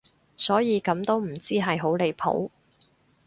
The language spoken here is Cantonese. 所以咁都唔知係好離譜